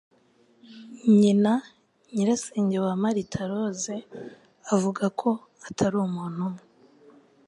Nyina, nyirasenge wa Martha Rose avuga ko atari umuntu umwe.